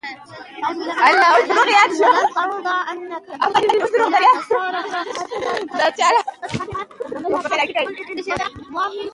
باسواده میندې د ماشومانو د غاښونو ساتنه کوي.